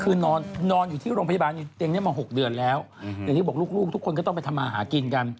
คือนอนอยู่ที่โรงพยาบาลเตียงนี้มา๖เดือนแล้วอย่างที่บอกลูกทุกคนก็ต้องไปทำมาหากินกัน